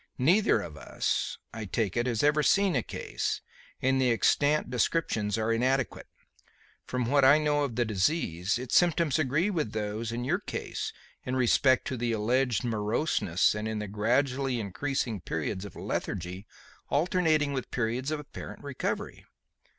Neither of us, I take it, has ever seen a case, and the extant descriptions are inadequate. From what I know of the disease, its symptoms agree with those in your case in respect of the alleged moroseness and in the gradually increasing periods of lethargy alternating with periods of apparent recovery.